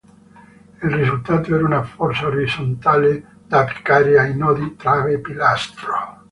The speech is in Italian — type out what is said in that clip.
Il risultato era un forza orizzontale da applicare ai nodi trave-pilastro.